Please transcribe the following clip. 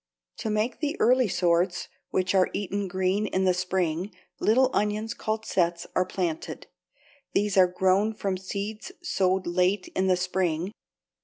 To make the early sorts, which are eaten green in the spring, little onions called sets are planted. These are grown from seeds sowed late in the spring.